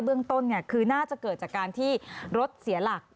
เรื่องต้นคือน่าจะเกิดจากการที่รถเสียหลัก